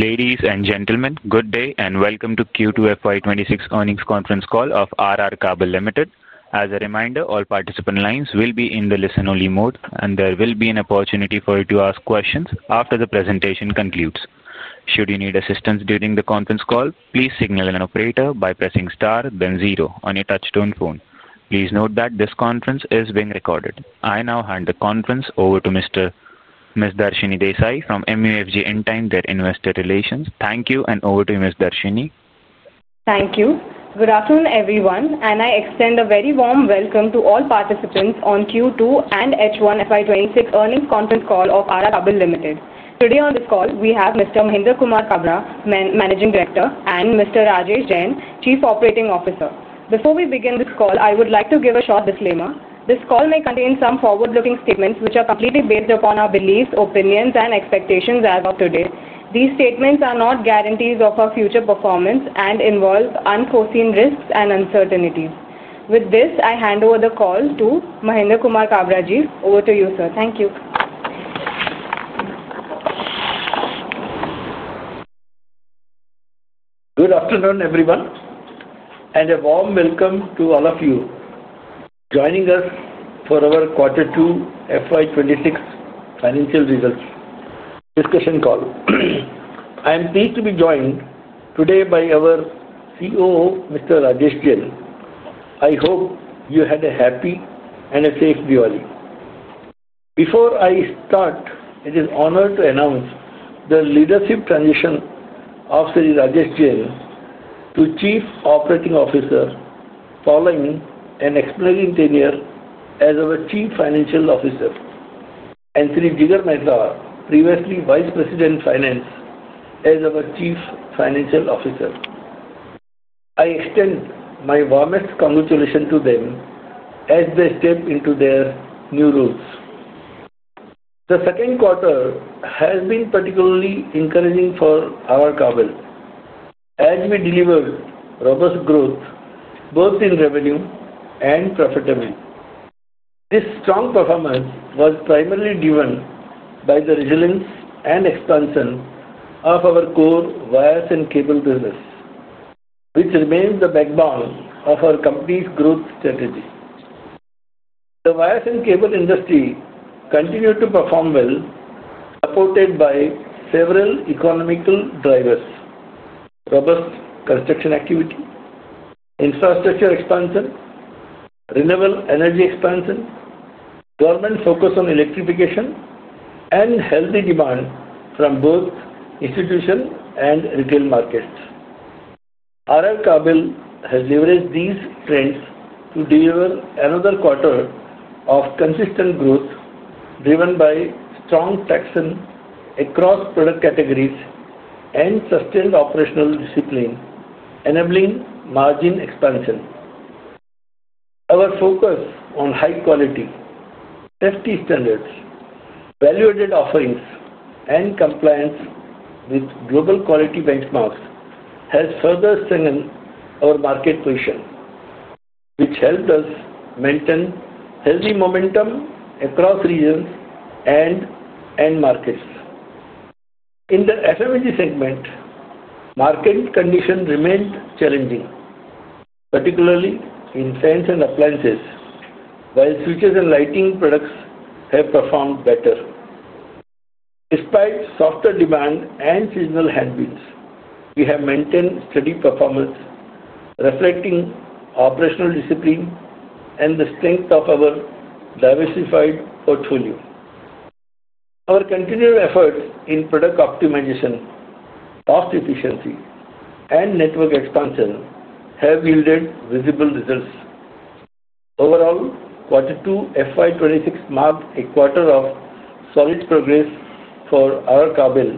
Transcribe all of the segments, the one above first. Ladies and gentlemen, good day and welcome to Q2 FY 2026 earnings conference call of R R Kabel Ltd. As a reminder, all participant lines will be in the listen-only mode, and there will be an opportunity for you to ask questions after the presentation concludes. Should you need assistance during the conference call, please signal an operator by pressing star, then zero, on your touch-tone phone. Please note that this conference is being recorded. I now hand the conference over to Ms. Darshni Desai from MUFG Intime, investor relations. Thank you, and over to you, Ms. Darshni. Thank you. Good afternoon, everyone, and I extend a very warm welcome to all participants on Q2 and H1 FY 2026 earnings conference call of R R Kabel Ltd. Today on this call, we have Mr. Mahendrakumar Kabra, Managing Director, and Mr. Rajesh Jain, Chief Operating Officer. Before we begin this call, I would like to give a short disclaimer. This call may contain some forward-looking statements, which are completely based upon our beliefs, opinions, and expectations as of today. These statements are not guarantees of our future performance and involve unforeseen risks and uncertainties. With this, I hand over the call to Mahendrakumar Kabra. Over to you, sir. Thank you. Good afternoon, everyone, and a warm welcome to all of you. Joining us for our Quarter 2 FY 2026 financial results discussion call. I am pleased to be joined today by our COO, Mr. Rajesh Jain. I hope you had a happy and a safe Diwali. Before I start, it is an honor to announce the leadership transition of Shri Rajesh Jain to Chief Operating Officer following an expiring tenure as our Chief Financial Officer. And Jigar Mehta, previously Vice President Finance, as our Chief Financial Officer. I extend my warmest congratulations to them as they step into their new roles. The second quarter has been particularly encouraging for our Kabel. As we delivered robust growth both in revenue and profitability. This strong performance was primarily driven by the resilience and expansion of our core Wires and Cable business. Which remains the backbone of our company's growth strategy. The Wires and Cable industry continued to perform well, supported by several economical drivers. Robust construction activity. Infrastructure expansion. Renewable Energy expansion. Government focus on electrification, and healthy demand from both institutional and retail markets. R R Kabel has leveraged these trends to deliver another quarter of consistent growth driven by strong traction across product categories and sustained operational discipline, enabling margin expansion. Our focus on high-quality, safety standards, value-added offerings, and compliance with global quality benchmarks has further strengthened our market position. Which helped us maintain healthy momentum across regions and end markets. In the FMEG segment. Market conditions remained challenging. Particularly in fans and appliances, while switches and lighting products have performed better. Despite softer demand and seasonal headwinds, we have maintained steady performance, reflecting operational discipline and the strength of our diversified portfolio. Our continued efforts in product optimization, cost efficiency, and network expansion have yielded visible results. Overall, Quarter 2 FY 2026 marked a quarter of solid progress for our Kabel,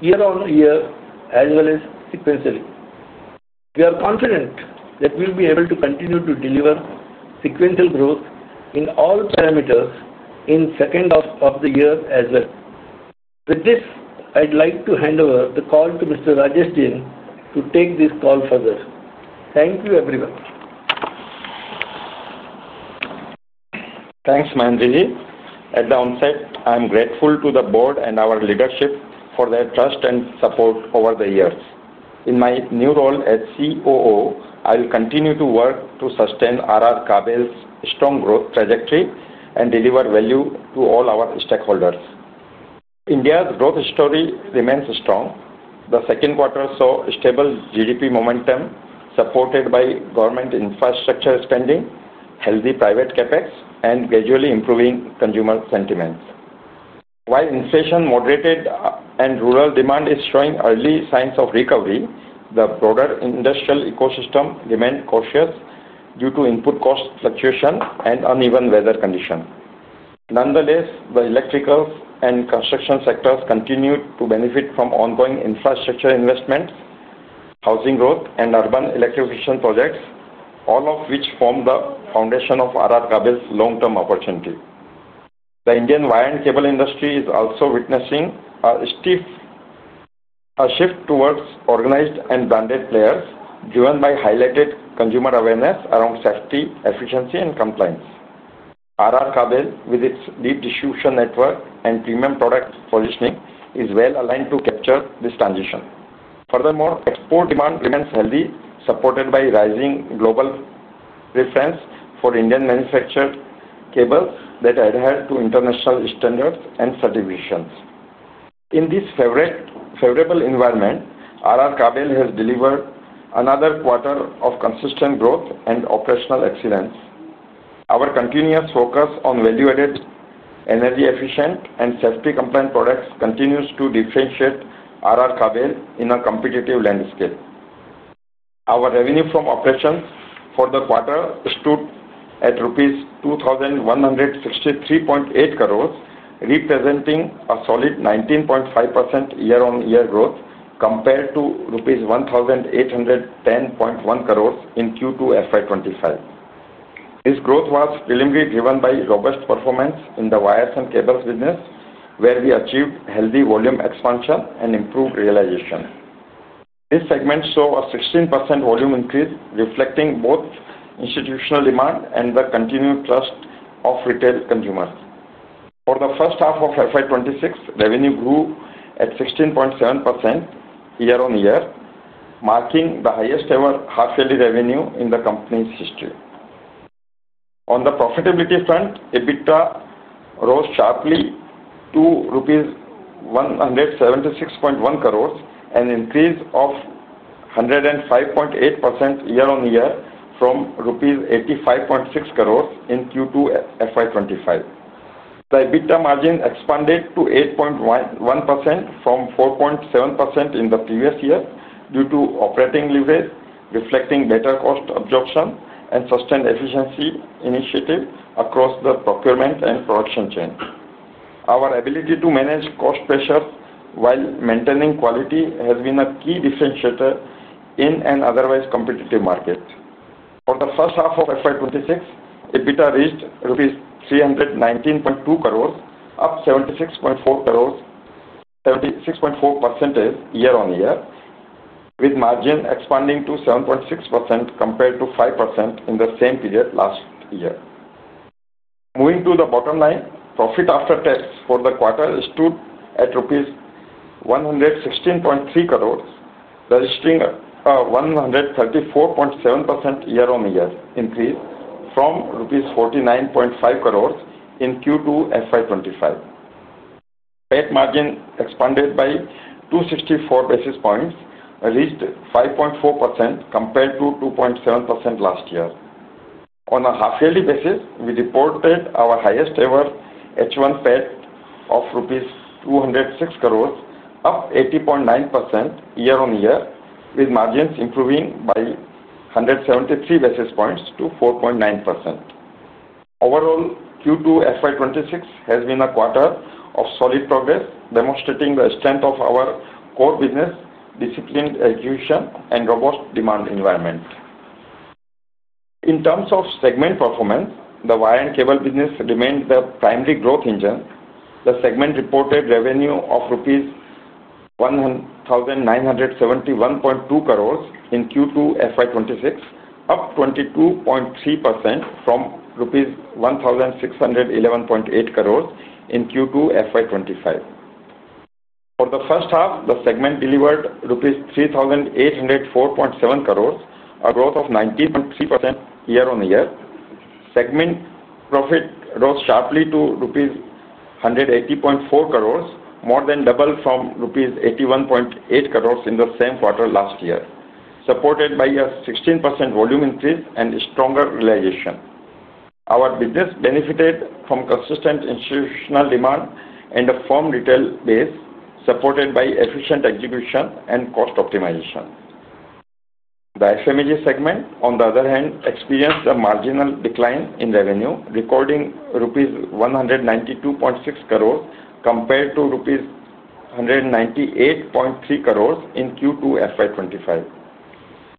year-on-year as well as sequentially. We are confident that we will be able to continue to deliver sequential growth in all parameters in the second half of the year as well. With this, I'd like to hand over the call to Mr. Rajesh Jain to take this call further. Thank you, everyone. Thanks, Mahendra. At the onset, I'm grateful to the board and our leadership for their trust and support over the years. In my new role as COO, I will continue to work to sustain R R Kabel's strong growth trajectory and deliver value to all our stakeholders. India's growth story remains strong. The second quarter saw stable GDP momentum supported by government infrastructure spending, healthy private CapEx, and gradually improving consumer sentiment. While inflation moderated and rural demand is showing early signs of recovery, the broader industrial ecosystem remained cautious due to input cost fluctuation and uneven weather conditions. Nonetheless, the electrical and construction sectors continued to benefit from ongoing infrastructure investments, housing growth, and urban electrification projects, all of which form the foundation of R R Kabel's long-term opportunity. The Indian Wire and Cable industry is also witnessing a shift towards organized and branded players, driven by highlighted consumer awareness around safety, efficiency, and compliance. R R Kabel, with its deep distribution network and premium product positioning, is well aligned to capture this transition. Furthermore, export demand remains healthy, supported by rising global preference for Indian manufactured cables that adhere to international standards and certifications. In this favorable environment, R R Kabel has delivered another quarter of consistent growth and operational excellence. Our continuous focus on value-added, energy-efficient, and safety-compliant products continues to differentiate R R Kabel in a competitive landscape. Our revenue from operations for the quarter stood at rupees 2,163.8 crores, representing a solid 19.5% year-on-year growth compared to rupees 1,810.1 crores in Q2 FY 2025. This growth was preliminarily driven by robust performance in the Wires and Cables business, where we achieved healthy volume expansion and improved realization. This segment saw a 16% volume increase, reflecting both institutional demand and the continued trust of retail consumers. For the first half of FY 2026, revenue grew at 16.7% year-on-year, marking the highest-ever half-yearly revenue in the company's history. On the profitability front, EBITDA rose sharply to 176.1 crores, an increase of 105.8% year-on-year from INR 85.6 crores in Q2 FY 2025. The EBITDA margin expanded to 8.1% from 4.7% in the previous year due to operating leverage, reflecting better cost absorption and sustained efficiency initiatives across the procurement and production chain. Our ability to manage cost pressures while maintaining quality has been a key differentiator in an otherwise competitive market. For the first half of FY 2026, EBITDA reached rupees 319.2 crores, up 76.4% year-on-year, with margin expanding to 7.6% compared to 5% in the same period last year. Moving to the bottom line, profit after tax for the quarter stood at rupees 116.3 crores, registering a 134.7% year-on-year increase from INR 49.5 crores in Q2 FY 2025. PAT margin expanded by 264 basis points, reaching 5.4% compared to 2.7% last year. On a half-yearly basis, we reported our highest-ever H1 PAT of INR 206 crores, up 80.9% year-on-year, with margins improving by 173 basis points to 4.9%. Overall, Q2 FY 2026 has been a quarter of solid progress, demonstrating the strength of our core business, disciplined execution, and robust demand environment. In terms of segment performance, the Wire and Cable business remained the primary growth engine. The segment reported revenue of rupees 1,971.2 crores in Q2 FY 2026, up 22.3% from rupees 1,611.8 crores in Q2 FY 2025. For the first half, the segment delivered rupees 3,804.7 crores, a growth of 19.3% year-on-year. Segment profit rose sharply to rupees 180.4 crores, more than double from rupees 81.8 crores in the same quarter last year, supported by a 16% volume increase and stronger realization. Our business benefited from consistent institutional demand and a firm retail base, supported by efficient execution and cost optimization. The FMEG segment, on the other hand, experienced a marginal decline in revenue, recording rupees 192.6 crores compared to rupees 198.3 crores in Q2 FY 2025.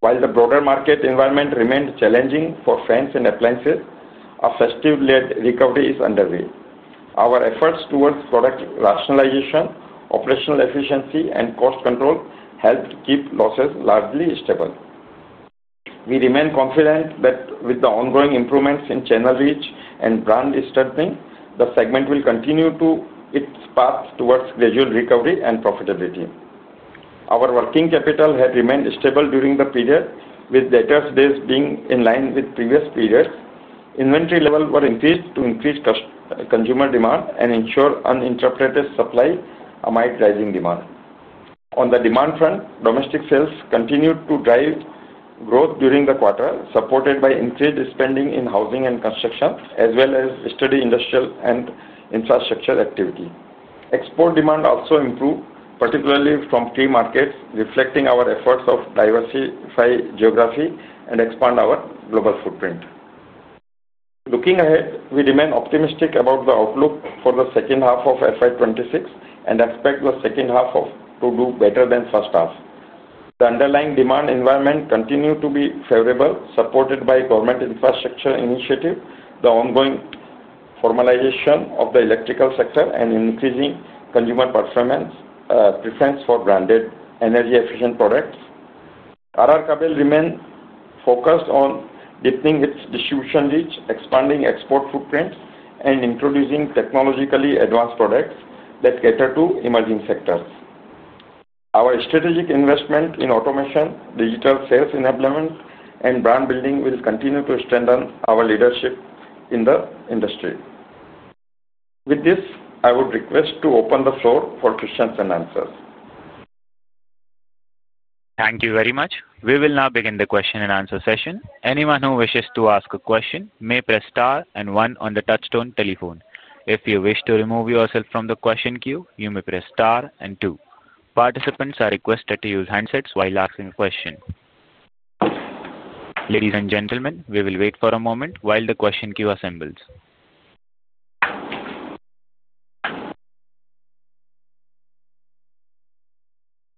While the broader market environment remained challenging for fans and appliances, a festive-led recovery is underway. Our efforts towards product rationalization, operational efficiency, and cost control helped keep losses largely stable. We remain confident that with the ongoing improvements in channel reach and brand strengthening, the segment will continue its path towards gradual recovery and profitability. Our working capital had remained stable during the period, with later days being in line with previous periods. Inventory levels were increased to increase consumer demand and ensure uninterrupted supply amid rising demand. On the demand front, domestic sales continued to drive growth during the quarter, supported by increased spending in housing and construction, as well as steady industrial and infrastructure activity. Export demand also improved, particularly from key markets, reflecting our efforts to diversify geography and expand our global footprint. Looking ahead, we remain optimistic about the outlook for the second half of FY 2026 and expect the second half to do better than the first half. The underlying demand environment continued to be favorable, supported by government infrastructure initiatives, the ongoing formalization of the electrical sector, and increasing consumer preference for branded energy-efficient products. R R Kabel remains focused on deepening its distribution reach, expanding export footprint, and introducing technologically advanced products that cater to emerging sectors. Our strategic investment in automation, digital sales enablement, and brand building will continue to strengthen our leadership in the industry. With this, I would request to open the floor for questions-and-answers. Thank you very much. We will now begin the question-and-answer session. Anyone who wishes to ask a question may press star and one on the touchstone telephone. If you wish to remove yourself from the question queue, you may press star and one. Participants are requested to use handsets while asking a question. Ladies and gentlemen, we will wait for a moment while the question queue assembles.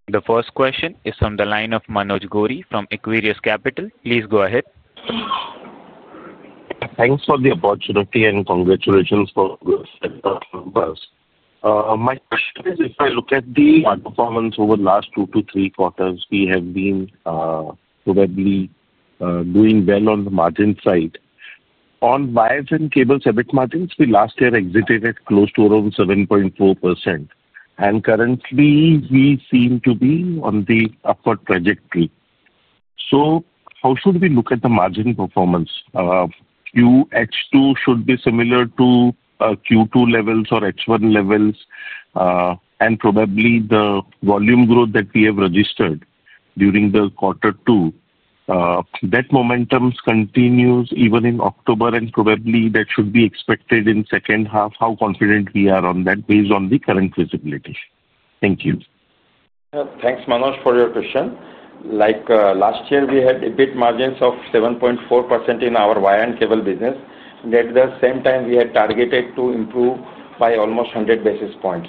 The first question is from the line of Manoj Gori from Equirus Capital. Please go ahead. Thanks for the opportunity and congratulations for the setup. My question is, if I look at the performance over the last two to three quarters, we have been probably doing well on the margin side. On Wires and Cables, EBIT margins last year exited at close to around 7.4%. And currently, we seem to be on the upward trajectory. How should we look at the margin performance? Q2 H2 should be similar to Q2 levels or H1 levels. Probably the volume growth that we have registered during the Quarter 2, that momentum continues even in October, and probably that should be expected in the second half. How confident we are on that based on the current visibility? Thank you. Thanks, Manoj, for your question. Like last year, we had EBIT margins of 7.4% in our Wire and Cable business. At the same time, we had targeted to improve by almost 100 basis points.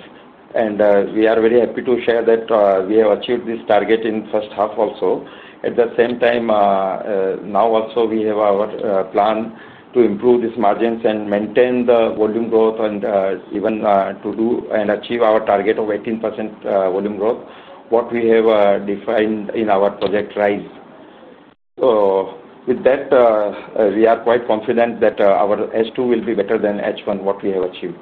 We are very happy to share that we have achieved this target in the first half also. At the same time, we have our plan to improve these margins and maintain the volume growth and even to do and achieve our target of 18% volume growth, what we have defined in our Project RRise. With that, we are quite confident that our H2 will be better than H1, what we have achieved.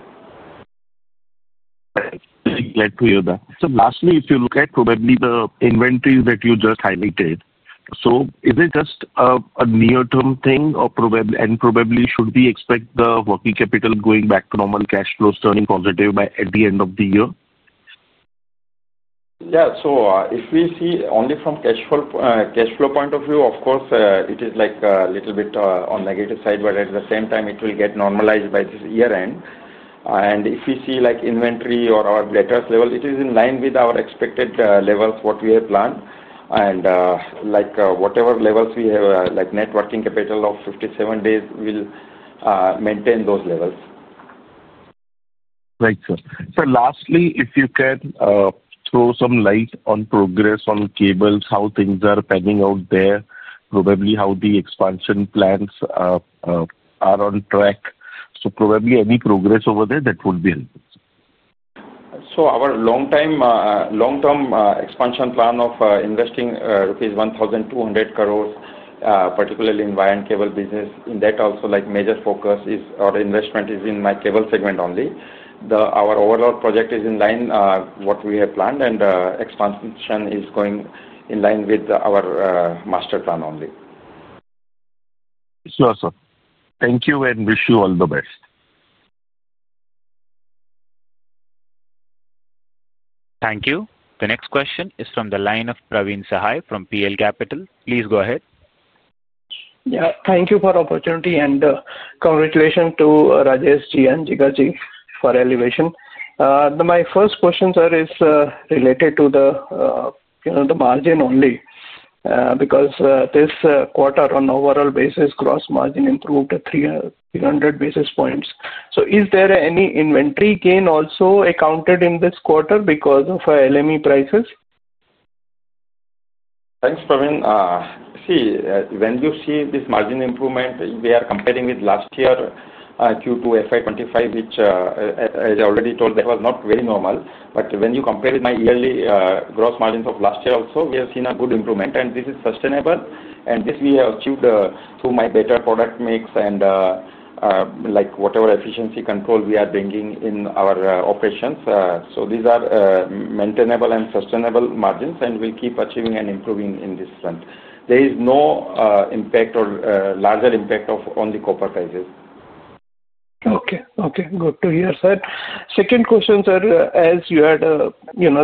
Glad to hear that. Lastly, if you look at probably the inventory that you just highlighted, is it just a near-term thing and probably should we expect the working capital going back to normal, cash flows turning positive by at the end of the year? Yeah, so if we see only from cash flow point of view, of course, it is like a little bit on the negative side, but at the same time, it will get normalized by this year-end. If we see like inventory or our letters level, it is in line with our expected levels, what we have planned. Like whatever levels we have, like net working capital of 57 days, we'll maintain those levels. Right. Lastly, if you can throw some light on progress on cables, how things are panning out there, probably how the expansion plans are on track. Probably any progress over there, that would be helpful. Our long-term expansion plan of investing rupees 1,200 crore, particularly in wire and cable business, in that also like major focus is our investment is in my Cable segment only. Our overall project is in line, what we have planned, and expansion is going in line with our master plan only. Sure, sir. Thank you and wish you all the best. Thank you. The next question is from the line of Praveen Sahay from PL Capital. Please go ahead. Yeah, thank you for the opportunity and congratulations to Rajesh and Jigar for the elevation. My first question, sir, is related to the margin only. Because this quarter, on an overall basis, gross margin improved to 300 basis points. Is there any inventory gain also accounted in this quarter because of LME prices? Thanks, Praveen. See, when you see this margin improvement, we are comparing with last year Q2 FY 2025, which, as I already told, that was not very normal. When you compare with my yearly gross margins of last year also, we have seen a good improvement, and this is sustainable. This we have achieved through my better product mix and, like, whatever efficiency control we are bringing in our operations. These are maintainable and sustainable margins, and we'll keep achieving and improving in this front. There is no impact or larger impact on the copper prices. Okay. Okay. Good to hear, sir. Second question, sir, as you had. The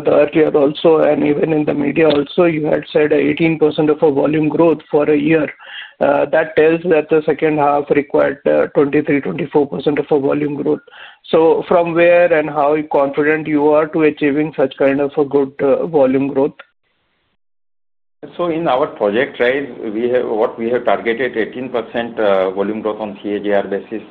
earlier also and even in the media also, you had said 18% of a volume growth for a year. That tells that the second half required 23%-24% of a volume growth. From where and how confident you are to achieving such kind of a good volume growth? In our Project RRise, what we have targeted is 18% volume growth on CAGR basis.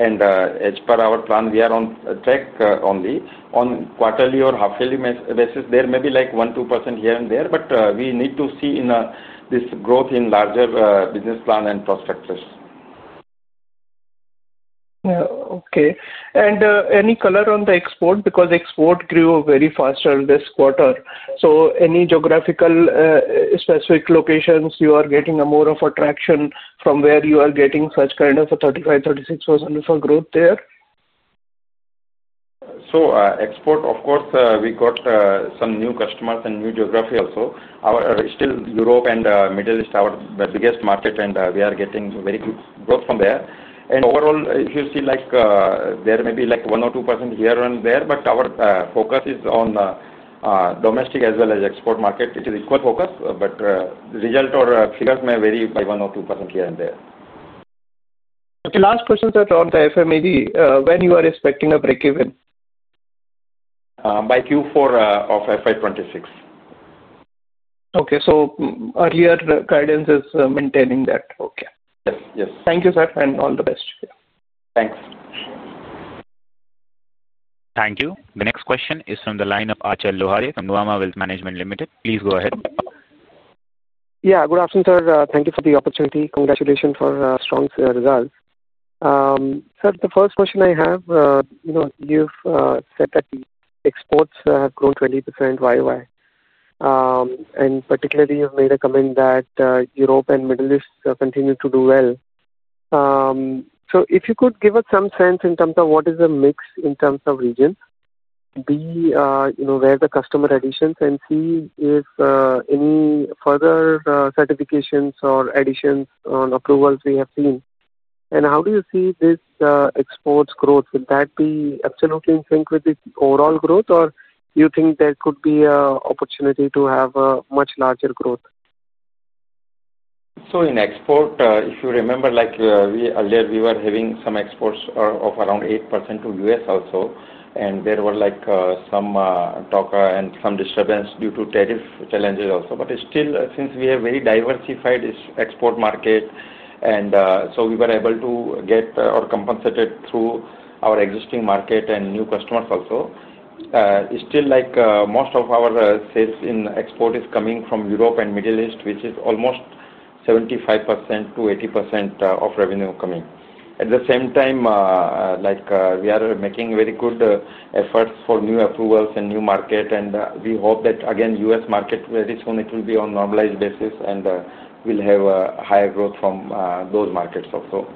As per our plan, we are on track only. On quarterly or half-yearly basis, there may be like 1%-2% here and there, but we need to see this growth in larger business plan and prospectus. Okay. Any color on the export? Because export grew very fast this quarter. Any geographical, specific locations you are getting more of attraction from, where you are getting such kind of a 35%-36% of a growth there? Export, of course, we got some new customers and new geography also. Still, Europe and the Middle East are our biggest market, and we are getting very good growth from there. Overall, if you see, like there may be like 1% or 2% here and there, but our focus is on domestic as well as export market. It is equal focus, but the result or figures may vary by 1% or 2% here and there. Okay. Last question, sir, on the FMEG. When are you expecting a break-even? By Q4 of FY 2026. Okay. So earlier guidance is maintaining that. Okay. Yes. Yes. Thank you, sir, and all the best. Thanks. Thank you. The next question is from the line of Achal Lohade from Nuvama Wealth Management Limited. Please go ahead. Yeah. Good afternoon, sir. Thank you for the opportunity. Congratulations for strong results. Sir, the first question I have, you've said that the exports have grown 20% year-on-year. And particularly, you've made a comment that Europe and the Middle East continue to do well. If you could give us some sense in terms of what is the mix in terms of regions. Where the customer additions, and see if any further certifications or additions on approvals we have seen. How do you see this exports growth? Would that be absolutely in sync with the overall growth, or do you think there could be an opportunity to have a much larger growth? In export, if you remember, earlier we were having some exports of around 8% to the U.S. also. There were like some talk and some disturbance due to tariff challenges also. Still, since we have a very diversified export market, we were able to get or compensated through our existing market and new customers also. Still, like most of our sales in export is coming from Europe and the Middle East, which is almost 75%-80% of revenue coming. At the same time, we are making very good efforts for new approvals and new market, and we hope that, again, the U.S. market very soon it will be on a normalized basis and we'll have higher growth from those markets also.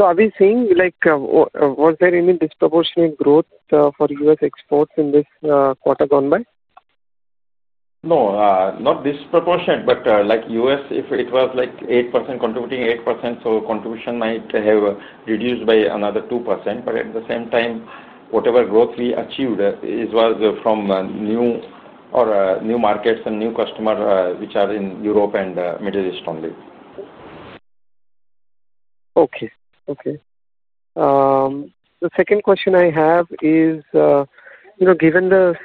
Are we seeing like. Was there any disproportionate growth for U.S. exports in this quarter gone by? No, not disproportionate, but like U.S., if it was like 8%, contributing 8%, contribution might have reduced by another 2%. At the same time, whatever growth we achieved, it was from new markets and new customers which are in Europe and the Middle East only. Okay. Okay. The second question I have is, given the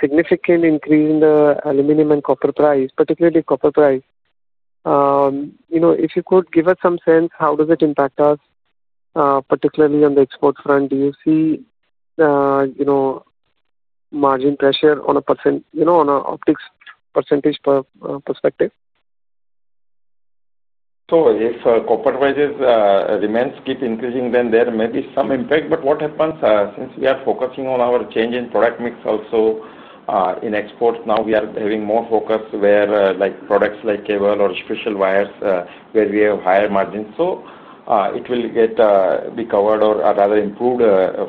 significant increase in the aluminum and copper price, particularly copper price, if you could give us some sense, how does it impact us, particularly on the export front? Do you see margin pressure on a optics percentage perspective? If copper prices remain, keep increasing, then there may be some impact. What happens since we are focusing on our change in product mix also. In exports, now we are having more focus where products like cable or special wires, where we have higher margins. It will be covered or rather improved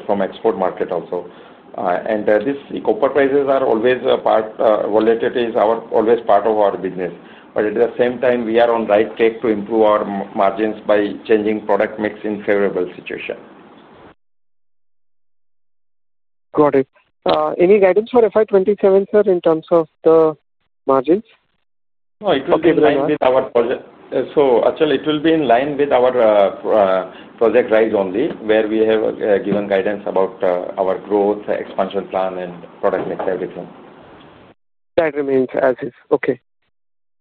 from the export market also. The copper prices are always a part, volatility is always part of our business. At the same time, we are on the right track to improve our margins by changing product mix in a favorable situation. Got it. Any guidance for FY 2027, sir, in terms of the margins? No, it will be in line with our project. Actually, it will be in line with our Project RRise only, where we have given guidance about our growth, expansion plan, and product mix, everything. That remains as is. Okay.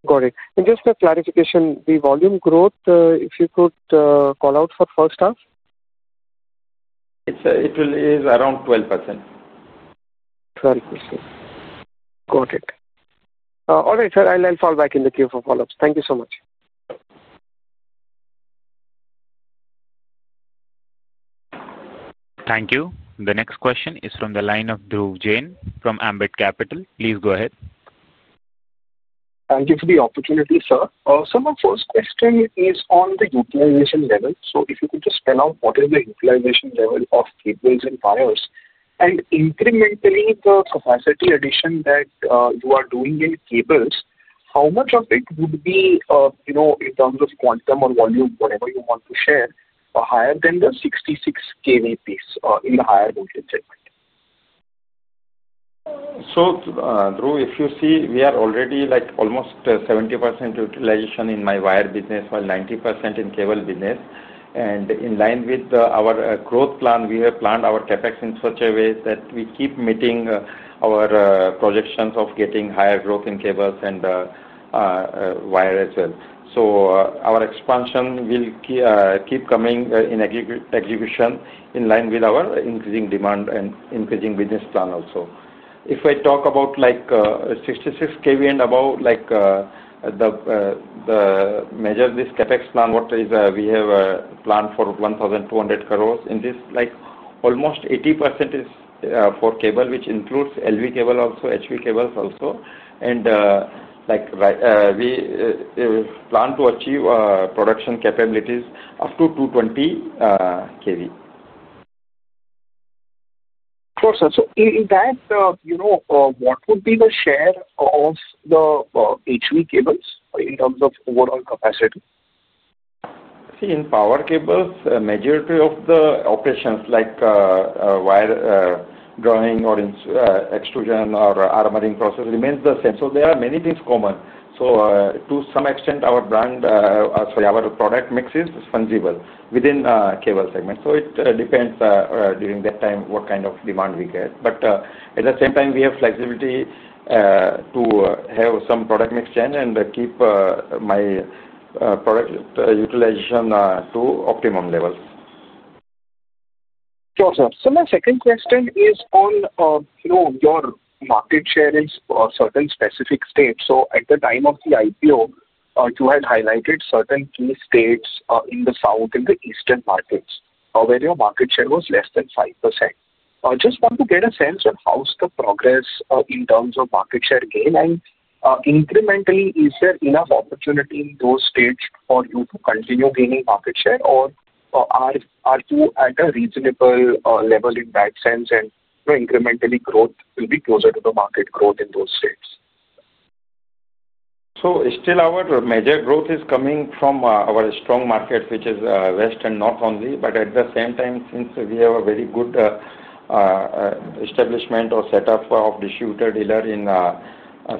Got it. Just for clarification, the volume growth, if you could call out for the first half? It is around 12%. 12%. Got it. All right, sir. I'll fall back in the queue for follow-ups. Thank you so much. Thank you. The next question is from the line of Dhruv Jain from Ambit Capital. Please go ahead. Thank you for the opportunity, sir. Some of the first question is on the utilization level. If you could just spell out what is the utilization level of cables and wires, and incrementally, the capacity addition that you are doing in cables, how much of it would be, in terms of quantum or volume, whatever you want to share, higher than the 66 kV piece in the higher voltage segment? Dhruv, if you see, we are already like almost 70% utilization in my wire business, while 90% in cable business. In line with our growth plan, we have planned our CapEx in such a way that we keep meeting our projections of getting higher growth in cables and wire as well. Our expansion will keep coming in execution in line with our increasing demand and increasing business plan also. If I talk about 66 kV and above, this CapEx plan, what we have planned for 1,200 crore, almost 80% is for cable, which includes LV cable also, HV cables also. We plan to achieve production capabilities up to 220 kV. Of course, sir. In that, what would be the share of the HV cables in terms of overall capacity? See, in power cables, the majority of the operations, like wire drawing or extrusion or armoring process, remains the same. There are many things common. To some extent, our product mix is fungible within cable segment. It depends during that time what kind of demand we get. At the same time, we have flexibility to have some product mix change and keep my product utilization to optimum levels. Sure, sir. My second question is on your market share in certain specific states. At the time of the IPO, you had highlighted certain key states in the South and the Eastern markets, where your market share was less than 5%. I just want to get a sense of how's the progress in terms of market share gained. Incrementally, is there enough opportunity in those states for you to continue gaining market share, or are you at a reasonable level in that sense and incrementally growth will be closer to the market growth in those states? Still, our major growth is coming from our strong market, which is West and North only. At the same time, since we have a very good establishment or setup of distributor dealer in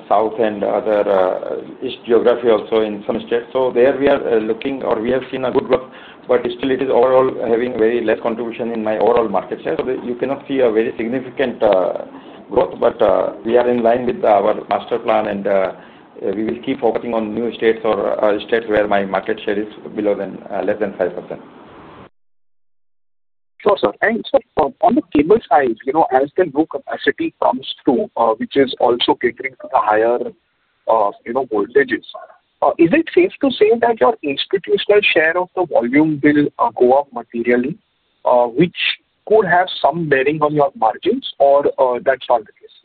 South and other East geography also in some states, there we are looking, or we have seen good growth, but still it is overall having very less contribution in my overall market share. You cannot see a very significant growth, but we are in line with our master plan, and we will keep focusing on new states or states where my market share is below than less than 5%. Sure, sir. Sir, on the Cable side, as the new capacity comes through, which is also catering to the higher voltages, is it safe to say that your institutional share of the volume will go up materially, which could have some bearing on your margins, or that's not the case?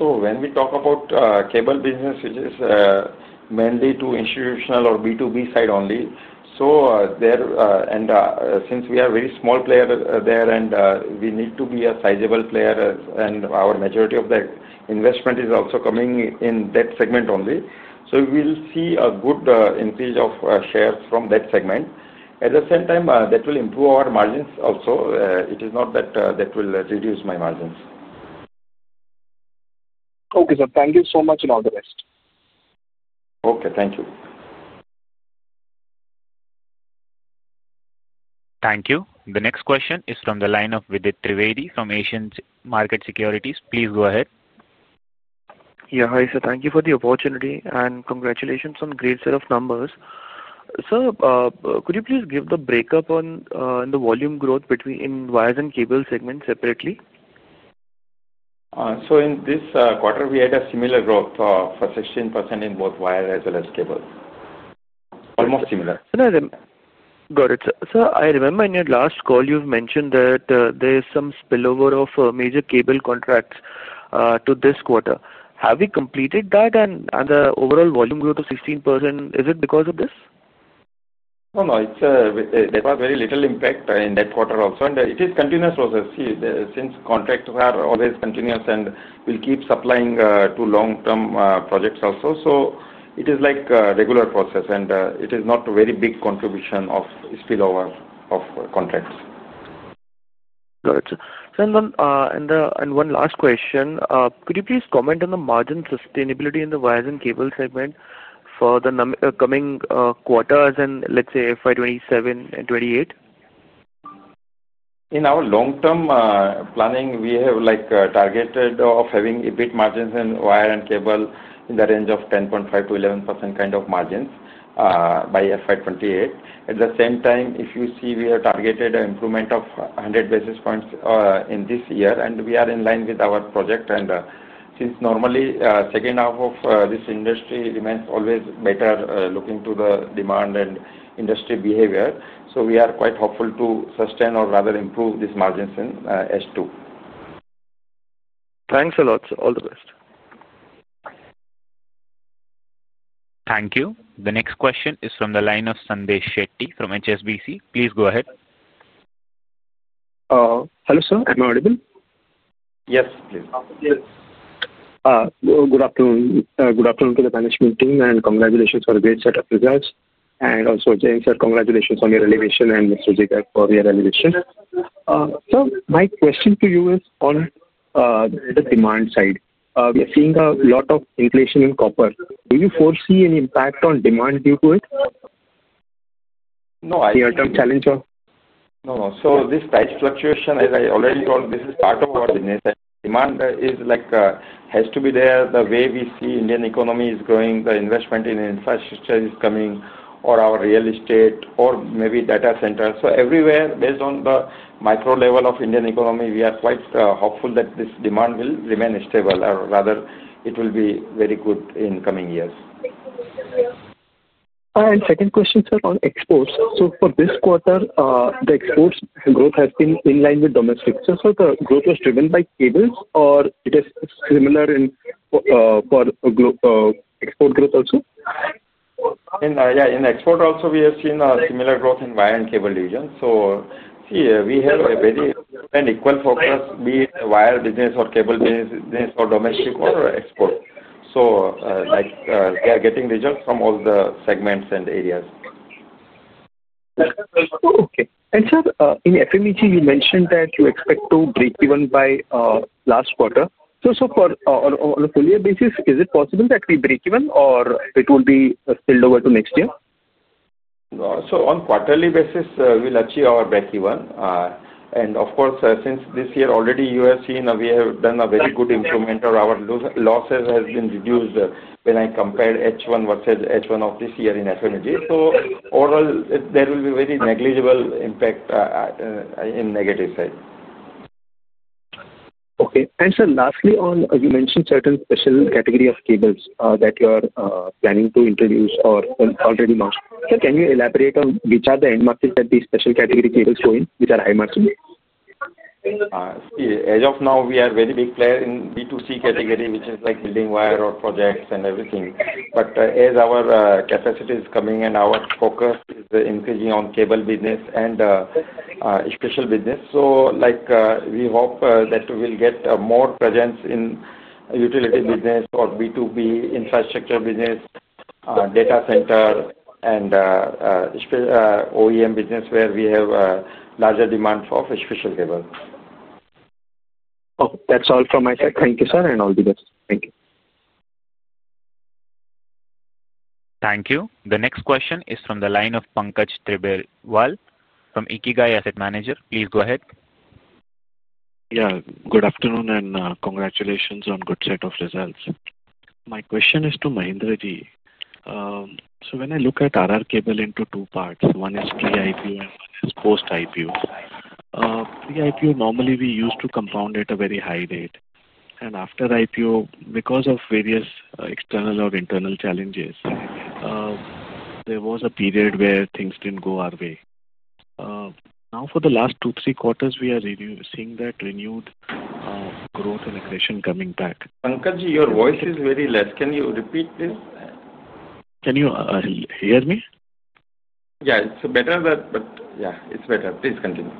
When we talk about cable business, which is mainly to institutional or B2B side only, there, and since we are a very small player there, and we need to be a sizable player, and our majority of the investment is also coming in that segment only, we will see a good increase of shares from that segment. At the same time, that will improve our margins also. It is not that that will reduce my margins. Okay, sir. Thank you so much, and all the best. Okay. Thank you. Thank you. The next question is from the line of Vidit Trivedi from Asian Market Securities. Please go ahead. Yeah. Hi, sir. Thank you for the opportunity, and congratulations on a great set of numbers. Sir, could you please give the breakup on the volume growth between Wires and Cable segments separately? In this quarter, we had a similar growth of 16% in both wire as well as cable. Almost similar. Got it. Sir, I remember in your last call, you've mentioned that there is some spillover of major cable contracts to this quarter. Have we completed that, and the overall volume grew to 16%? Is it because of this? No, no. It's a very little impact in that quarter also. It is a continuous process. See, since contracts are always continuous and we'll keep supplying to long-term projects also, it is like a regular process, and it is not a very big contribution of spillover of contracts. Got it, sir. One last question. Could you please comment on the margin sustainability in the Wires and Cable segment for the coming quarters, and let's say FY 2027 and 2028? In our long-term planning, we have targeted of having EBIT margins in Wire and Cable in the range of 10.5%-11% kind of margins by 2028. At the same time, if you see, we have targeted an improvement of 100 basis points in this year, and we are in line with our project. Since normally the second half of this industry remains always better looking to the demand and industry behavior, we are quite hopeful to sustain or rather improve these margins in S2. Thanks a lot. All the best. Thank you. The next question is from the line of Sandesh Shetty from HSBC. Please go ahead. Hello, sir. Am I audible? Yes, please. Good afternoon. Good afternoon to the management team, and congratulations for a great set of results. Also, James said congratulations on your elevation and Mr. Jigar for your elevation. Sir, my question to you is on the demand side. We are seeing a lot of inflation in copper. Do you foresee any impact on demand due to it? No. Any other challenge or? No, no. So this price fluctuation, as I already told, this is part of our business. Demand has to be there the way we see the Indian economy is growing, the investment in infrastructure is coming, or our real estate, or maybe data centers. Everywhere, based on the micro level of the Indian economy, we are quite hopeful that this demand will remain stable, or rather it will be very good in coming years. Second question, sir, on exports. For this quarter, the export growth has been in line with domestic. Sir, the growth was driven by cables, or it is similar for export growth also? Yeah. In export also, we have seen similar growth in Wire and Cable regions. See, we have a very equal focus, be it Wire business or Cable business or domestic or export. We are getting results from all the segments and areas. Okay. Sir, in FMEG, you mentioned that you expect to break even by last quarter. On a full-year basis, is it possible that we break even, or will it be spilled over to next year? On a quarterly basis, we'll achieve our break even. Of course, since this year already, you have seen we have done a very good improvement, or our losses have been reduced when I compare H1 versus H1 of this year in FMEG. Overall, there will be a very negligible impact on the negative side. Okay. Sir, lastly, you mentioned certain special category of cables that you are planning to introduce or already launched. Sir, can you elaborate on which are the end markets that these special category cables go in, which are high margins? See, as of now, we are a very big player in B2C category, which is like building wire or projects and everything. As our capacity is coming and our focus is increasing on cable business and special business, we hope that we'll get more presence in utility business or B2B infrastructure business, data center, and OEM business where we have a larger demand for special cables. Okay. That's all from my side. Thank you, sir, and all the best. Thank you. Thank you. The next question is from the line of Pankaj Tribelwal from Ikigai Asset Manager. Please go ahead. Yeah. Good afternoon and congratulations on a good set of results. My question is to Mahendra. So when I look at R R Kabel into two parts, one is pre-IPO and one is post-IPO. Pre-IPO, normally we used to compound at a very high rate. And after IPO, because of various external or internal challenges, there was a period where things did not go our way. Now, for the last two, three quarters, we are seeing that renewed growth and aggression coming back. Pankaj, your voice is very low. Can you repeat pleae? Can you hear me? Yeah. It's better, but yeah, it's better. Please continue.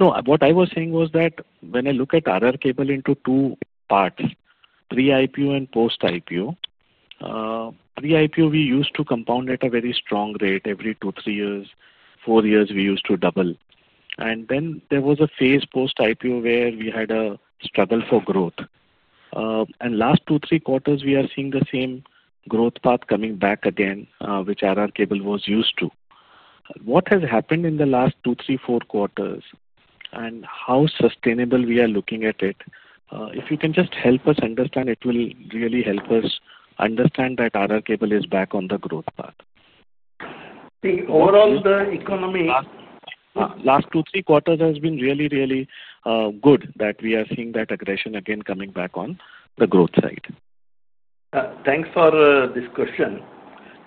No, what I was saying was that when I look at R R Kabel in two parts, pre-IPO and post-IPO. Pre-IPO, we used to compound at a very strong rate every two, three years. Four years, we used to double. There was a phase post-IPO where we had a struggle for growth. In the last two, three quarters, we are seeing the same growth path coming back again, which R R Kabel was used to. What has happened in the last two, three, four quarters, and how sustainable we are looking at it? If you can just help us understand, it will really help us understand that R R Kabel is back on the growth path. Overall, the economy. Last two, three quarters has been really, really good that we are seeing that aggression again coming back on the growth side. Thanks for this question.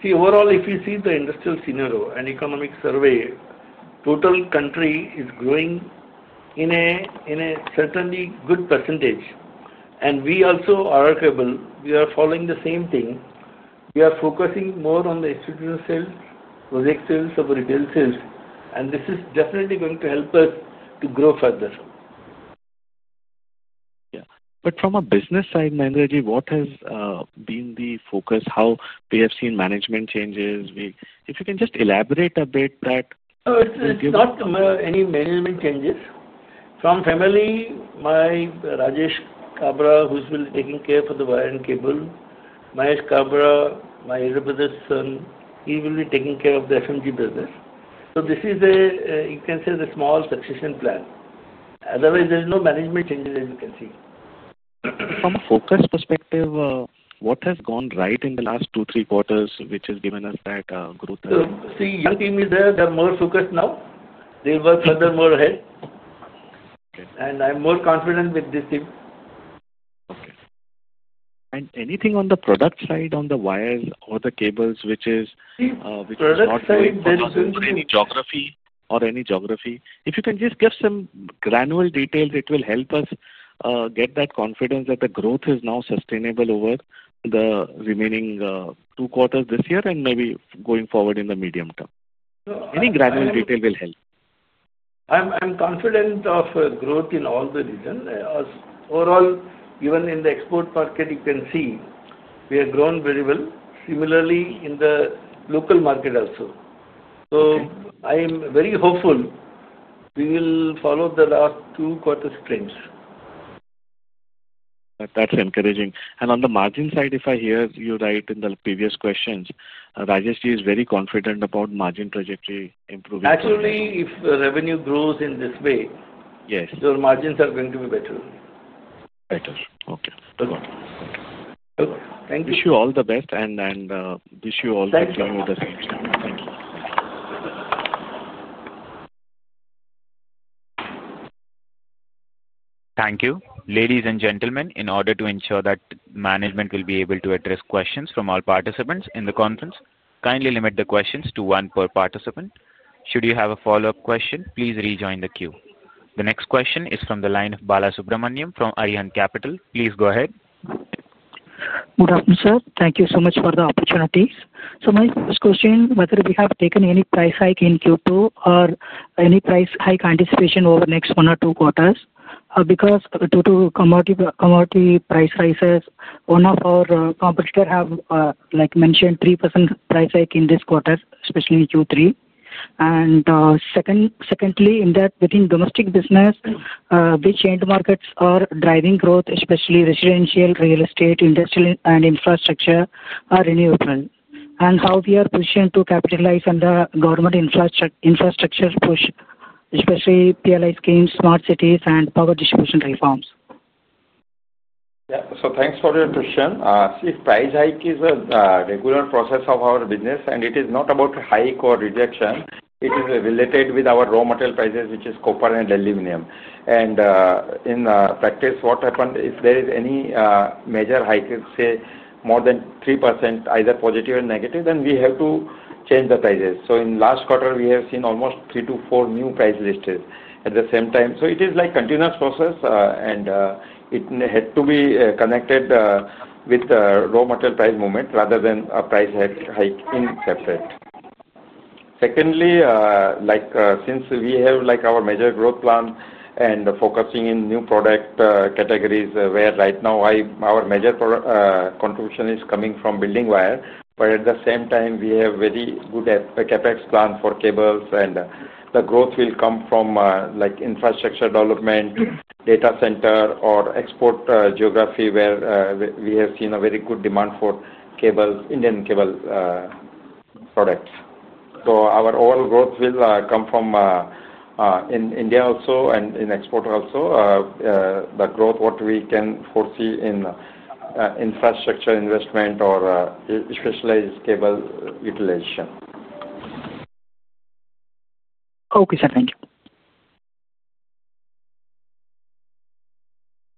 See, overall, if you see the industrial scenario and economic survey, total country is growing in a certainly good percentage. We also, R R Kabel, we are following the same thing. We are focusing more on the institutional sales, project sales, and retail sales. This is definitely going to help us to grow further. Yeah. From a business side, Mahendra, what has been the focus? We have seen management changes. If you can just elaborate a bit on that. It's not any management changes. From family, my Rajesh, who's been taking care of the Wire and Cable, Mahesh Kabra, my elder brother's son, he will be taking care of the FMEG business. This is a, you can say, a small succession plan. Otherwise, there is no management changes that you can see. From a focus perspective, what has gone right in the last two, three quarters, which has given us that growth? See, the young team is there. They're more focused now. They work furthermore ahead. I'm more confident with this team. Okay. Anything on the product side on the wires or the cables, which is. Product side, there isn't. Any geography or any geography. If you can just give some granular details, it will help us get that confidence that the growth is now sustainable over the remaining two quarters this year and maybe going forward in the medium term. Any granular detail will help. I'm confident of growth in all the regions. Overall, even in the export market, you can see we have grown very well. Similarly, in the local market also. I am very hopeful. We will follow the last two quarters' trends. That's encouraging. On the margin side, if I hear you right in the previous questions, Rajesh is very confident about margin trajectory improvement. Actually, if the revenue grows in this way. Yes. Your margins are going to be better. Better. Okay. Good. Thank you. Wish you all the best, and wish you all continued success. Thank you. Thank you. Ladies and gentlemen, in order to ensure that management will be able to address questions from all participants in the conference, kindly limit the questions to one per participant. Should you have a follow-up question, please rejoin the queue. The next question is from the line of Balasubramaniam from Arihant Capital. Please go ahead. Good afternoon, sir. Thank you so much for the opportunity. My first question, whether we have taken any price hike in Q2 or any price hike anticipation over the next one or two quarters? Because due to commodity price rises, one of our competitors have, like, mentioned a 3% price hike in this quarter, especially in Q3. Secondly, within domestic business, which end markets are driving growth, especially residential, real estate, industrial, and infrastructure, or renewable? How we are positioned to capitalize on the government infrastructure push, especially PLI schemes, smart cities, and power distribution reforms? Yeah. So thanks for your question. See, price hike is a regular process of our business, and it is not about a hike or reduction. It is related with our raw material prices, which are copper and aluminum. In practice, what happens if there is any major hike, let's say more than 3%, either positive or negative, then we have to change the prices. In the last quarter, we have seen almost three to four new price listings at the same time. It is like a continuous process, and it had to be connected with the raw material price movement rather than a price hike in separate. Secondly, since we have our major growth plan and focusing on new product categories where right now our major contribution is coming from building wire, but at the same time, we have a very good CapEx plan for cables, and the growth will come from infrastructure development, data center, or export geography where we have seen a very good demand for Indian cable products. Our overall growth will come from India also and in export also. The growth, what we can foresee in infrastructure investment or specialized cable utilization. Okay, sir. Thank you.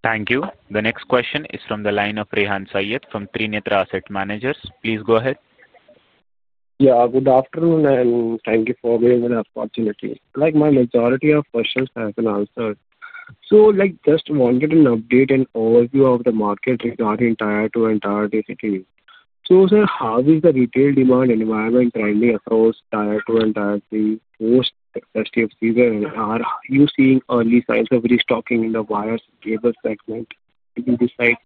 Thank you. The next question is from the line of Rehan Saiyyed from Trinetra Asset Managers. Please go ahead. Yeah. Good afternoon, and thank you for giving me this opportunity. Like my majority of questions have been answered. Just wanted an update and overview of the market regarding Tier 2 and Tier 3 cities. Sir, how is the retail demand environment trending across Tier 2 and Tier 3 post-excessive season? Are you seeing early signs of restocking in the wires and cable segment? Did you decide?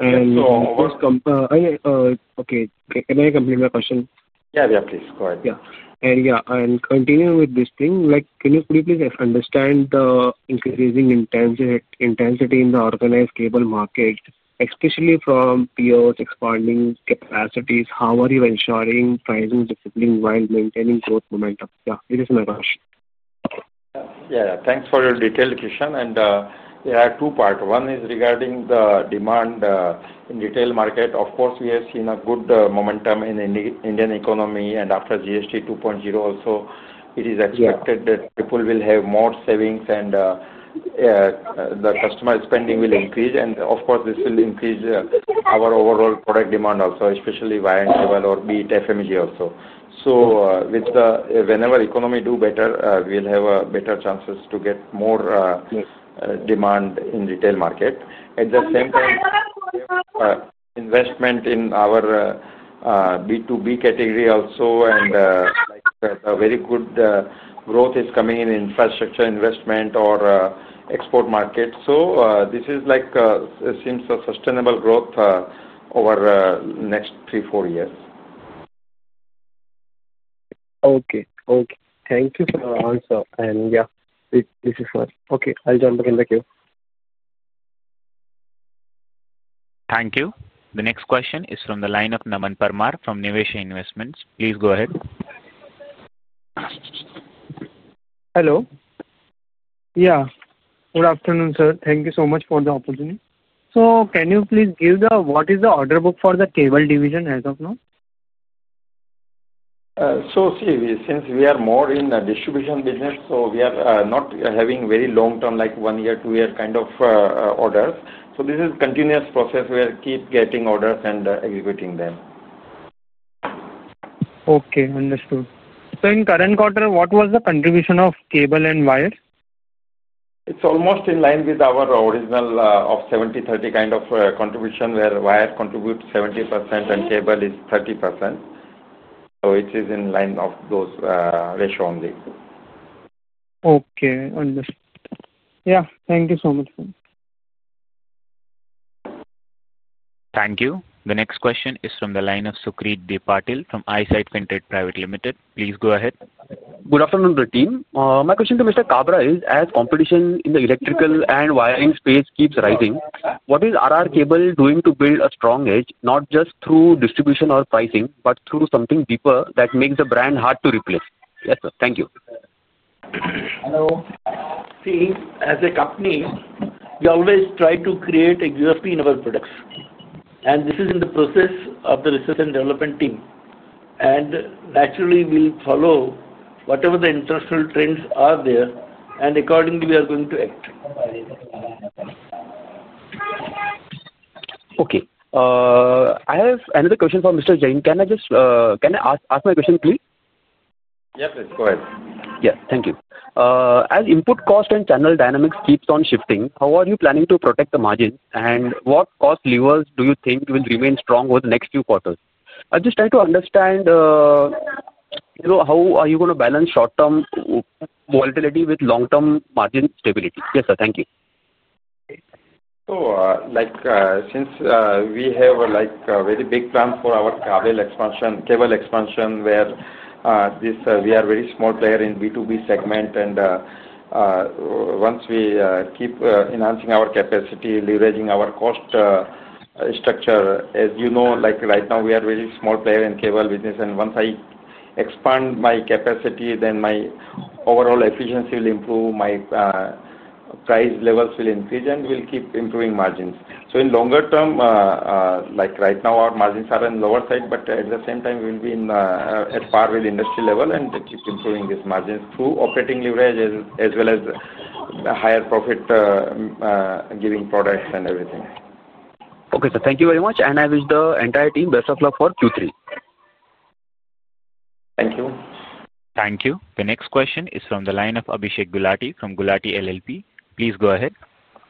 Yes, sir. Okay. Can I complete my question? Yeah, yeah, please. Go ahead. Yeah. Yeah, and continuing with this thing, could you please understand the increasing intensity in the organized cable market, especially from POs, expanding capacities? How are you ensuring pricing discipline while maintaining growth momentum? Yeah, it is my question. Yeah. Thanks for your detailed question. There are two parts. One is regarding the demand in the retail market. Of course, we have seen a good momentum in the Indian economy, and after GST 2.0 also, it is expected that people will have more savings. The customer spending will increase. Of course, this will increase our overall product demand also, especially wire and cable, or be it FMEG also. Whenever the economy does better, we'll have better chances to get more demand in the retail market. At the same time, investment in our B2B category also, and a very good growth is coming in infrastructure investment or export market. This seems a sustainable growth over the next three to four years. Okay. Okay. Thank you for the answer. Yeah, this is my—okay, I'll jump again. Thank you. Thank you. The next question is from the line of Naman Parmar from Niveshaay Investments. Please go ahead. Hello. Yeah. Good afternoon, sir. Thank you so much for the opportunity. Can you please give the—what is the order book for the cable division as of now? See, since we are more in the distribution business, we are not having very long-term, like one-year, two-year kind of orders. This is a continuous process where we keep getting orders and executing them. Okay. Understood. So in the current quarter, what was the contribution of Cable and Wire? It's almost in line with our original of 70%, 30% kind of contribution where wire contributes 70% and cable is 30%. It is in line of those ratios only. Okay. Understood. Yeah. Thank you so much. Thank you. The next question is from the line of Sucrit Patil from Eyesight Fintrade Private Limited. Please go ahead. Good afternoon, Prateem. My question to Mr. Kabel is, as competition in the electrical and wiring space keeps rising, what is R R Kabel doing to build a strong edge, not just through distribution or pricing, but through something deeper that makes the brand hard to replace? Yes, sir. Thank you. Hello. See, as a company, we always try to create a UFP in our products. This is in the process of the research and development team. Naturally, we will follow whatever the international trends are there, and accordingly, we are going to act. Okay. I have another question for Mr. Jain. Can I just ask my question clearly? Yes, please. Go ahead. Yeah. Thank you. As input cost and channel dynamics keep on shifting, how are you planning to protect the margins, and what cost levers do you think will remain strong over the next few quarters? I'm just trying to understand. How are you going to balance short-term volatility with long-term margin stability? Yes, sir. Thank you. Since we have a very big plan for our Cable expansion where we are a very small player in the B2B segment. Once we keep enhancing our capacity, leveraging our cost structure, as you know, right now we are a very small player in the cable business. Once I expand my capacity, then my overall efficiency will improve, my price levels will increase, and we'll keep improving margins. In the longer term, right now, our margins are on the lower side, but at the same time, we'll be at par with the industry level and keep improving these margins through operating leverage as well as higher profit-giving products and everything. Okay, sir. Thank you very much. I wish the entire team the best of luck for Q3. Thank you. Thank you. The next question is from the line of [Abhishek Gulati from Gulati LLP]. Please go ahead.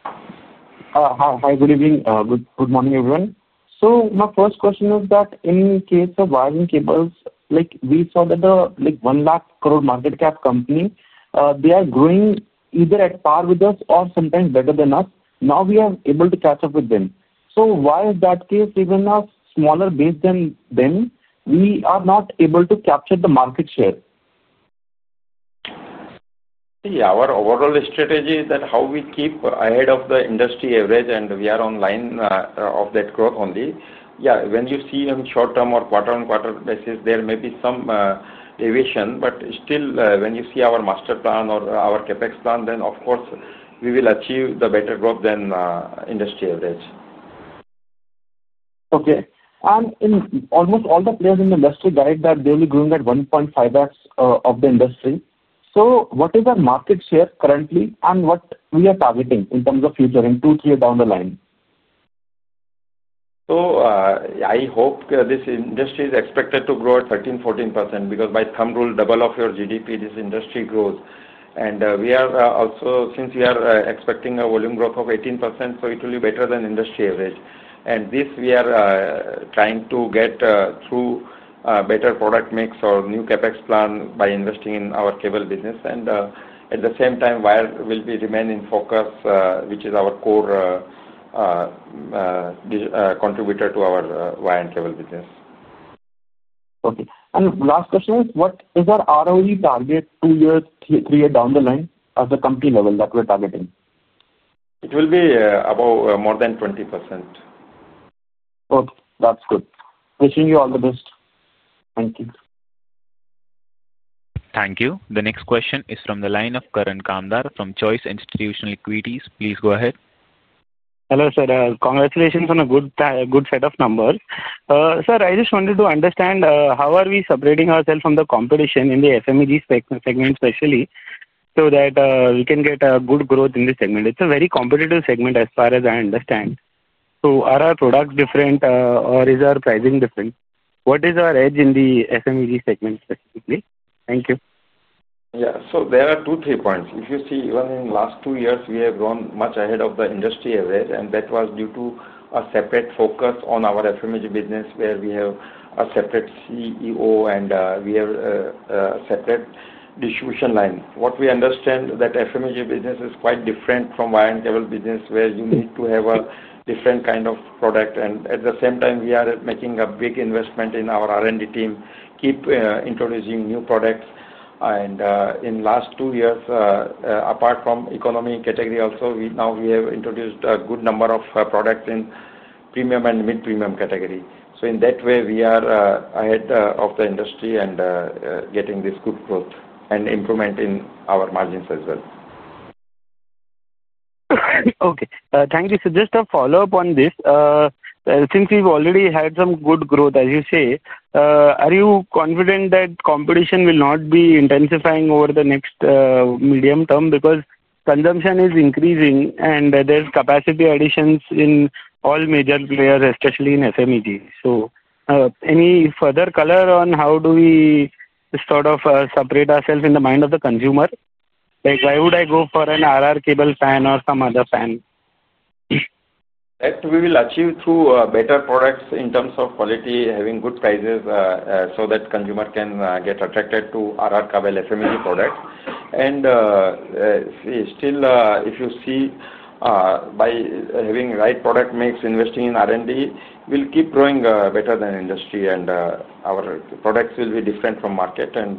Hi. Good evening. Good morning, everyone. My first question is that in the case of Wires and Cables, we saw that the 1 lakh crore market cap company, they are growing either at par with us or sometimes better than us. Now we are able to catch up with them. Why is that the case? Even with a smaller base than them, we are not able to capture the market share. See, our overall strategy is that how we keep ahead of the industry average, and we are on the line of that growth only. Yeah, when you see them short-term or quarter-on-quarter basis, there may be some deviation. Still, when you see our master plan or our CapEx plan, then of course, we will achieve the better growth than industry average. Okay. Almost all the players in the industry guide that they will be growing at 1.5x of the industry. What is the market share currently and what are we targeting in terms of future in Q3 down the line? I hope this industry is expected to grow at 13%-14% because by some rule, double of your GDP, this industry grows. We are also, since we are expecting a volume growth of 18%, it will be better than industry average. This, we are trying to get through better product mix or new CapEx plan by investing in our Cable business. At the same time, wire will remain in focus, which is our core contributor to our Wire and Cable business. Okay. Last question is, what is our ROE target two years, three years down the line at the company level that we're targeting? It will be about more than 20%. Okay. That's good. Wishing you all the best. Thank you. Thank you. The next question is from the line of Karan Kamdar from Choice Institutional Equities. Please go ahead. Hello, sir. Congratulations on a good set of numbers. Sir, I just wanted to understand how are we separating ourselves from the competition in the FMEG segment, especially so that we can get good growth in this segment. It's a very competitive segment as far as I understand. Are our products different, or is our pricing different? What is our edge in the FMEG segment specifically? Thank you. Yeah. There are two, three points. If you see, even in the last two years, we have grown much ahead of the industry average, and that was due to a separate focus on our FMEG business where we have a separate CEO and we have a separate distribution line. What we understand is that FMEG business is quite different from Wire and Cable business where you need to have a different kind of product. At the same time, we are making a big investment in our R&D team, keep introducing new products. In the last two years, apart from economy category also, now we have introduced a good number of products in premium and mid-premium category. In that way, we are ahead of the industry and getting this good growth and improvement in our margins as well. Okay. Thank you. Just a follow-up on this. Since we've already had some good growth, as you say, are you confident that competition will not be intensifying over the next medium-term? Because consumption is increasing, and there's capacity additions in all major players, especially in FMEG. Any further color on how do we sort of separate ourselves in the mind of the consumer? Why would I go for an R R Kabel fan or some other fan? That we will achieve through better products in terms of quality, having good prices so that consumers can get attracted to R R Kabel FMEG products. Still, if you see, by having the right product mix, investing in R&D, we'll keep growing better than industry, and our products will be different from the market and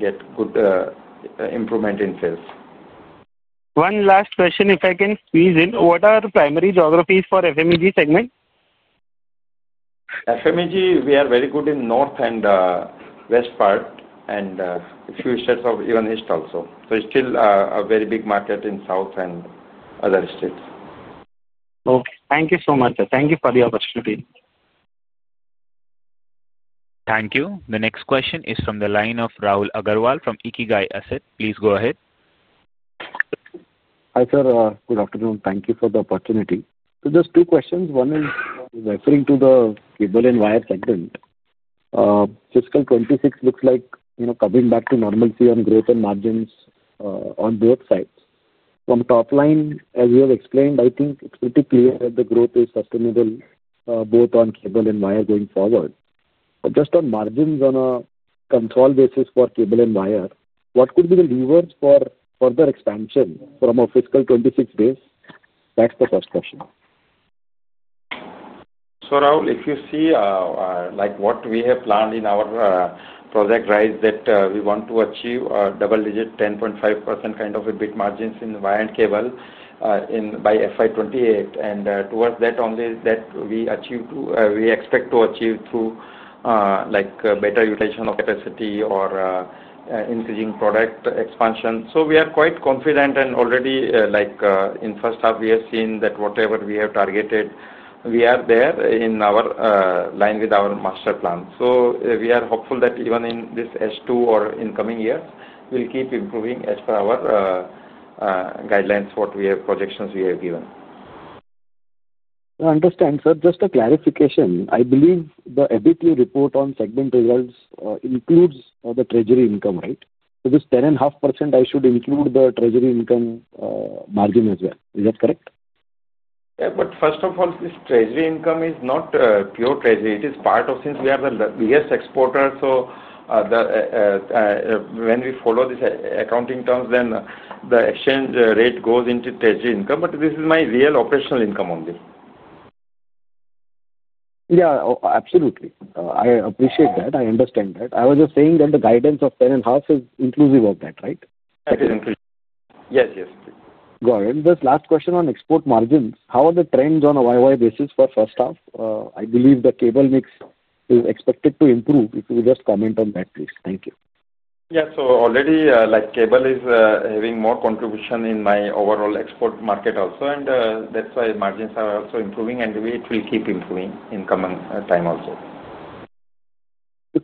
get good improvement in sales. One last question, if I can squeeze in. What are the primary geographies for FMEG segment? FMEG, we are very good in the North and West part and a few states of even East also. It is still a very big market in the South and other states. Okay. Thank you so much, sir. Thank you for the opportunity. Thank you. The next question is from the line of Rahul Agarwal from Ikigai Asset. Please go ahead. Hi, sir. Good afternoon. Thank you for the opportunity. Just two questions. One is referring to the Cable and Wire segment. Fiscal 2026 looks like coming back to normalcy on growth and margins on both sides. From the top line, as you have explained, I think it is pretty clear that the growth is sustainable both on Cable and Wire going forward. Just on margins on a consolidation basis for Cable and Wire, what could be the levers for further expansion from a fiscal 2026 base? That is the first question. Rahul, if you see, what we have planned in our project, right, that we want to achieve a double-digit 10.5% kind of EBIT margins in wire and cable by FY 2028. Towards that only, we expect to achieve through better utilization of capacity or increasing product expansion. We are quite confident, and already in the first half, we have seen that whatever we have targeted, we are there in our line with our master plan. We are hopeful that even in this S2 or incoming years, we'll keep improving as per our guidelines, what projections we have given. Understand, sir. Just a clarification. I believe the FAQ report on segment results includes the treasury income, right? So this 10.5%, I should include the treasury income margin as well. Is that correct? Yeah. First of all, this treasury income is not pure treasury. It is part of, since we are the biggest exporter, so when we follow these accounting terms, then the exchange rate goes into treasury income. But this is my real operational income only. Yeah. Absolutely. I appreciate that. I understand that. I was just saying that the guidance of 10.5% is inclusive of that, right? Yes, yes. Go ahead. Just last question on export margins. How are the trends on a year-on-year basis for the first half? I believe the cable mix is expected to improve. If you could just comment on that, please. Thank you. Yeah. Already, cable is having more contribution in my overall export market also. That is why margins are also improving, and it will keep improving in the coming time also.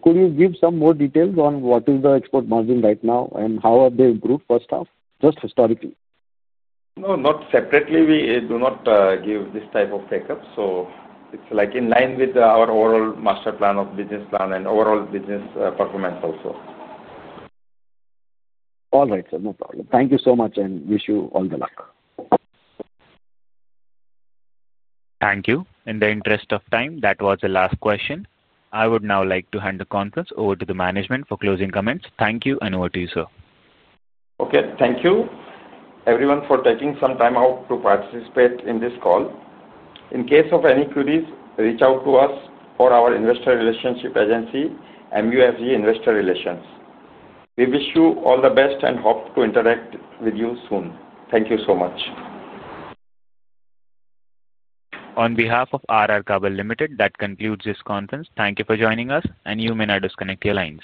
Could you give some more details on what is the export margin right now and how have they improved first half? Just historically. No, not separately. We do not give this type of take-up. It is in line with our overall master plan of business plan and overall business performance also. All right, sir. No problem. Thank you so much and wish you all the luck. Thank you. In the interest of time, that was the last question. I would now like to hand the conference over to the management for closing comments. Thank you and over to you, sir. Okay. Thank you, everyone, for taking some time out to participate in this call. In case of any queries, reach out to us or our Investor Relations agency, MUFG Investor Relations. We wish you all the best and hope to interact with you soon. Thank you so much. On behalf of R R Kabel Limited, that concludes this conference. Thank you for joining us, and you may now disconnect your lines.